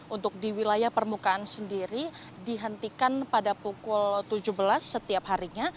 untuk di wilayah permukaan sendiri dihentikan pada pukul tujuh belas setiap harinya